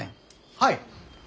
はい。